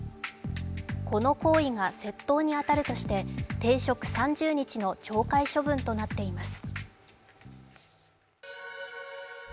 この行為が窃盗に当たるとして停職３０日の懲戒処分となっています。